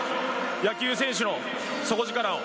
野球選手の底力を。